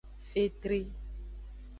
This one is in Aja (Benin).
Fetri.